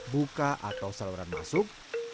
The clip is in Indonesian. buka atau saluran masuk